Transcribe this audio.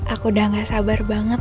aku udah gak sabar banget